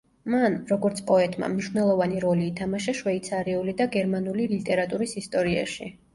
მან, როგორც პოეტმა, მნიშვნელოვანი როლი ითამაშა შვეიცარიული და გერმანული ლიტერატურის ისტორიაში.